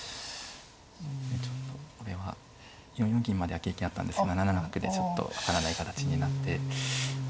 ちょっとこれは４四銀までは経験あったんですが７七角でちょっと分からない形になって。